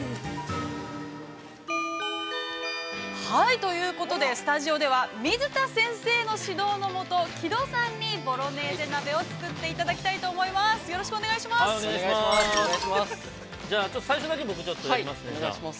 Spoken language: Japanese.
◆ということで、スタジオでは水田先生の指導のもと木戸さんにボロネーゼ鍋を作っていただきたいと思います。